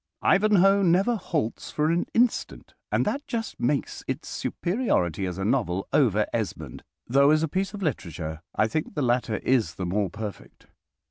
"Ivanhoe" never halts for an instant, and that just makes its superiority as a novel over "Esmond," though as a piece of literature I think the latter is the more perfect.